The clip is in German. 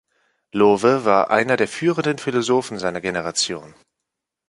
Lowe war einer der führenden Philosophen seiner Generation.